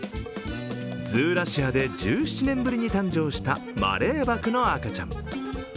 ズーラシアで１７年ぶりに誕生したマレーバクの赤ちゃん。